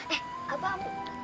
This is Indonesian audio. eh abah ampun